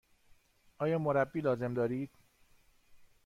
آیا مربی لازم دارید؟